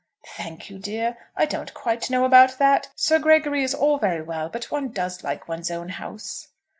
"Thank you, dear. I don't quite know about that. Sir Gregory is all very well; but one does like one's own house."